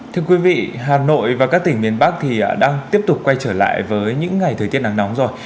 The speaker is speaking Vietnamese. thưa quý vị hà nội và các tỉnh miền bắc thì đang tiếp tục quay trở lại với những ngày thời tiết nắng nóng rồi